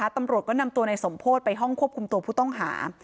ตำรวจก็นำตัวในสมโพธิไปห้องควบคุมตัวผู้ต้องหา